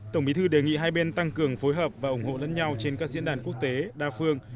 tổng bí thư đề nghị hai bên tăng cường phối hợp và ủng hộ lẫn nhau trên các diễn đàn quốc tế đa phương